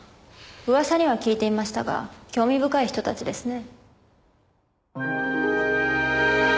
噂には聞いていましたが興味深い人たちですね。